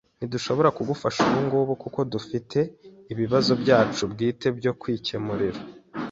Ntidushobora kugufasha ubungubu kuko dufite ibibazo byacu bwite byo kwikemurira.